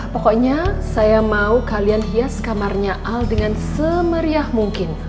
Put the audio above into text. pokoknya saya mau kalian hias kamarnya al dengan semeriah mungkin